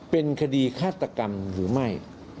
เป็นคดีฆาตกรรมหรือไม่